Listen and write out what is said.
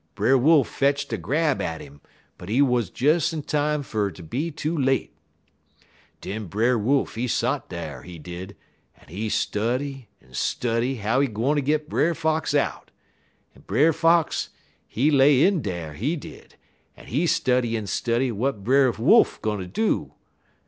Brer Wolf fetcht a grab at 'im, but he wuz des in time fer ter be too late. "Den Brer Wolf, he sot dar, he did, en he study en study how he gwine git Brer Fox out, en Brer Fox, he lay in dar, he did, en he study en study w'at Brer Wolf gwine do.